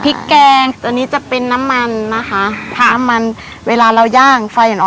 พริกแกงตัวนี้จะเป็นน้ำมันนะคะผ้ามันเวลาเราย่างไฟอ่อน